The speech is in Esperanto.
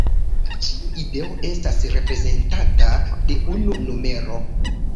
Ĉiu ideo estas reprezentata de unu numero.